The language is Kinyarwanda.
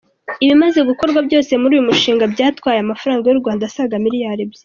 Ibimaze gukorwa byose muri uyu mushinga, byatwaye amafaranga y’u Rwanda asaga miliyari ebyiri.